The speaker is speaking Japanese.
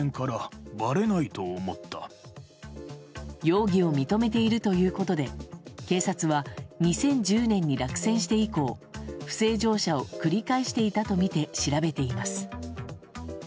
容疑を認めているということで警察は２０１０年に落選して以降不正乗車を繰り返していたとみて調べています。